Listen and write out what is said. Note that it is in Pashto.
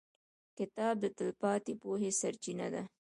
• کتاب د تلپاتې پوهې سرچینه ده.